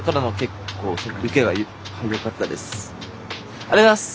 ありがとうございます。